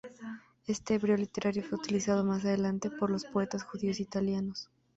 Este hebreo literario fue utilizado más adelante por los poetas judíos italianos.